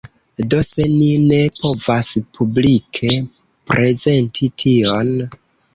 Do, se ni ne povas publike prezenti tion